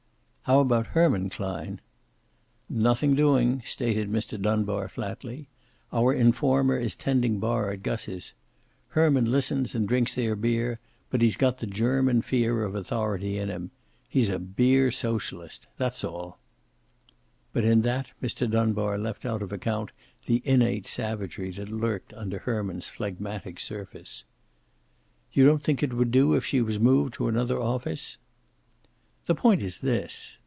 "How about Herman Klein?" "Nothing doing," stated Mr. Dunbar, flatly. "Our informer is tending bar at Gus's. Herman listens and drinks their beer, but he's got the German fear of authority in him. He's a beer socialist. That's all." But in that Mr. Dunbar left out of account the innate savagery that lurked under Herman's phlegmatic surface. "You don't think it would do if she was moved to another office?" "The point is this."